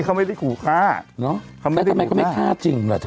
เขาไม่ได้ขู่ฆ่าเนอะแล้วทำไมเขาไม่ฆ่าจริงล่ะเธอ